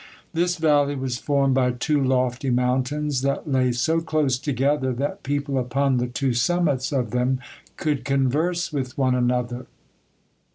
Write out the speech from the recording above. This valley was formed by two lofty mountains that lay so close together that people upon the two summits of them could converse with one another.